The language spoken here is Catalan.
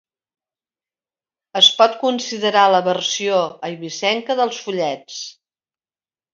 Es pot considerar la versió eivissenca dels follets.